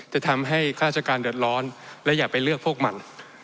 จะทำให้ข้าราชการเดือดร้อนและอย่าไปเลือกพวกมัน